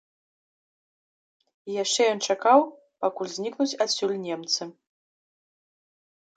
І яшчэ ён чакаў, пакуль знікнуць адсюль немцы.